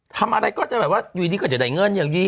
ทำอะไรก็จะแบบว่าอยู่ดีก็จะได้เงินอย่างดี